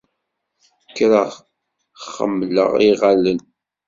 Kkreɣ xemmleɣ iɣallen.